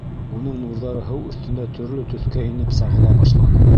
Уның нурҙары һыу өҫтөндә төрлө төҫкә инеп сағыла башланы.